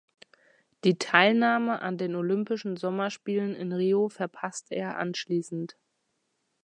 Die Teilnahme an den Olympischen Sommerspielen in Rio verpasste er anschließend.